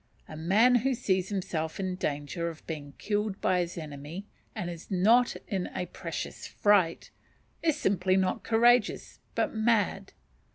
A man who sees himself in danger of being killed by his enemy and is not in a precious fright, is simply not courageous but mad.